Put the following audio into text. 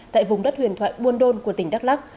tại vùng đất huyền thoại buôn đôn của tỉnh đắk lắc